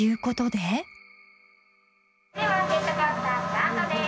ではジェットコースタースタートです。